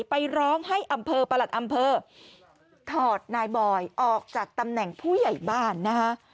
ไปร้องให้อำเภอประหลัดอำเภอถอดนายบอยออกจากตำแหน่งผู้ใหญ่บ้านนะคะ